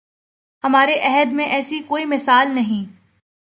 ہمارے عہد میں ایسی کوئی مثال نہیں